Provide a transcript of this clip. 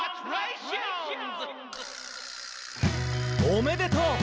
「おめでとう！」